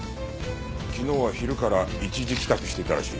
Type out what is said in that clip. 昨日は昼から一時帰宅していたらしい。